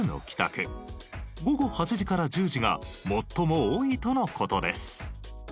午後８時から１０時が最も多いとの事です。